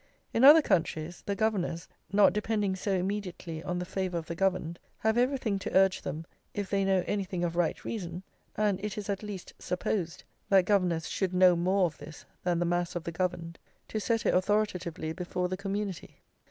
In other countries, the governors, not depending so immediately on the favour of the governed, have everything to urge them, if they know anything of right reason (and it is at least supposed that governors should know more of this than the mass of the governed), to set it authoritatively before the community.